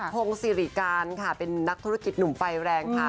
พงศิริการค่ะเป็นนักธุรกิจหนุ่มไฟแรงค่ะ